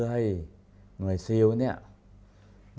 อเรนนี่แหละอเรนนี่แหละ